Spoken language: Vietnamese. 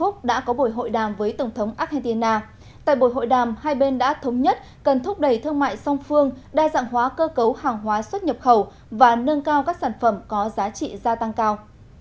tại buổi hội đàm hai bên đã thống nhất cần thúc đẩy thương mại song phương đa dạng hóa cơ cấu hàng hóa xuất nhập khẩu và nâng cao các sản phẩm có giá trị gia tăng cao